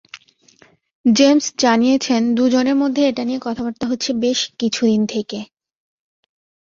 James জানিয়েছেন, দুজনের মধ্যে এটা নিয়ে কথাবার্তা হচ্ছে বেশ কিছুদিন থেকে।